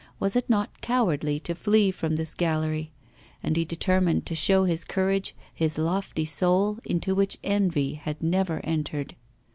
Was it not cowardly to flee from this gallery? And he determined to show his courage, his lofty soul, into which envy had never entered.